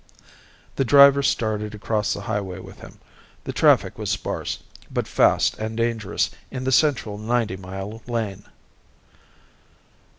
The driver started across the highway with him. The traffic was sparse, but fast and dangerous in the central ninety mile lane.